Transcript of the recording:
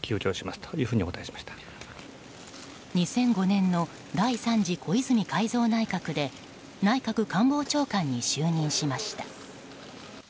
２００５年の第３次小泉改造内閣で内閣官房長官に就任しました。